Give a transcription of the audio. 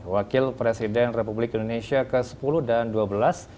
wakil presiden republik indonesia ke sepuluh dan ke dua belas